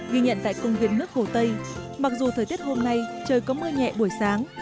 ghi nhận tại công viên nước hồ tây mặc dù thời tiết hôm nay trời có mưa nhẹ buổi sáng